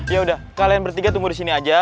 yaudah kalian bertiga tunggu disini aja